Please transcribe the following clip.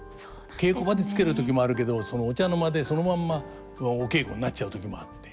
稽古場でつける時もあるけどお茶の間でそのまんまお稽古になっちゃう時もあって。